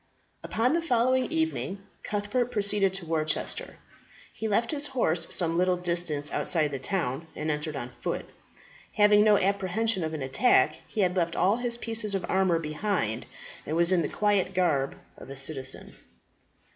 Upon the following evening Cuthbert proceeded to Worcester. He left his horse some little distance outside the town, and entered on foot. Having no apprehension of an attack, he had left all his pieces of armour behind, and was in the quiet garb of a citizen.